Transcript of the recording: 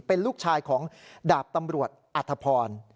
เป็นลูกชายของดาบตำรวจอัธพร